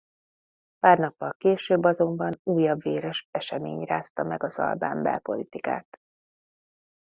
Pár nappal később azonban újabb véres esemény rázta meg az albán belpolitikát.